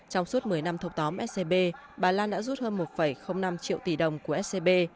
trong suốt một mươi năm thâu tóm scb bà lan đã rút hơn một năm triệu tỷ đồng của scb